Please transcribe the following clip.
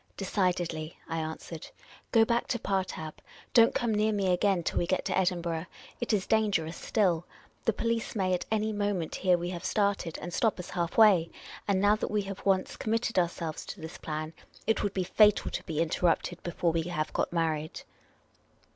" Decidedly," I answered. " Go back to Partab. Don't come near me again till w^e get to Edinburgh. It is danger ous still. The police maj'^ at any moment hear we have started and stop us half way ; and now that we have once committed ourselves to this plan it would be fatal to be inter rupted before we have got married."